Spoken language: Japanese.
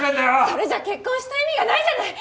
それじゃ結婚した意味がないじゃない！